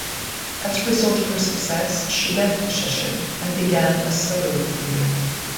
As a result of her success, she left Sheshet and began a solo career.